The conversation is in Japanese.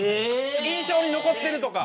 印象に残っているとか。